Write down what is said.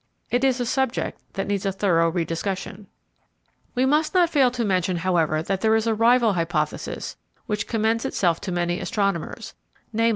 It is a subject that needs a thorough rediscussion. We must not fail to mention, however, that there is a rival hypothesis which commends itself to many astronomers—_viz.